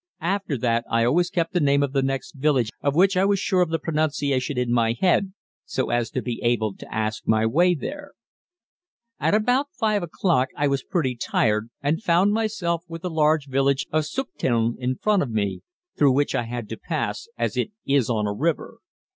(After that I always kept the name of the next village of which I was sure of the pronunciation in my head, so as to be able to ask my way there.) At about 5 o'clock I was pretty tired and found myself with the large village of Süchteln in front of me, through which I had to pass, as it is on a river.